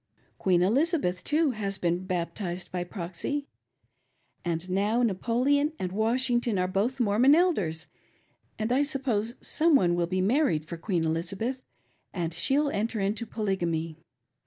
Queen Elisabeth, too, has been baptized by proxy. And now Napoleon and Washington are both Mormon Elders, and I suppose some one will be married for Queen Elizabeth, and she'll enter into Polygamy.